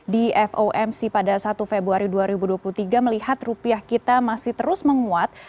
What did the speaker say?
di fomc pada satu februari dua ribu dua puluh tiga melihat rupiah kita masih terus menguat